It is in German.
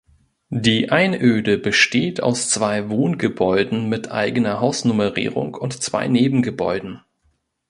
Die Einöde besteht aus zwei Wohngebäuden mit eigener Hausnummerierung und zwei Nebengebäuden.